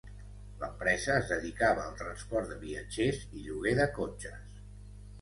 L’empresa es dedicava al transport de viatgers i lloguer de cotxes.